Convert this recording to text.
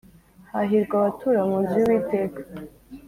Hahirwa abatura mu nzu y’Uwiteka